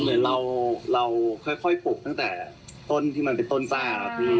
เหมือนเราค่อยปลูกตั้งแต่ต้นที่มันเป็นต้นตรา